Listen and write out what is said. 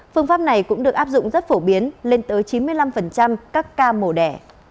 phương pháp này cũng được áp dụng rất phổ biến lên tới chín mươi năm các ca mổ đẻ